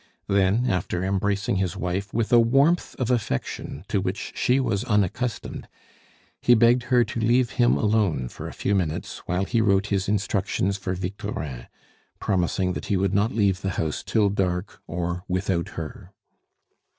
Then, after embracing his wife with a warmth of affection to which she was unaccustomed, he begged her to leave him alone for a few minutes while he wrote his instructions for Victorin, promising that he would not leave the house till dark, or without her.